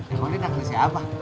ya boleh nanggir siapa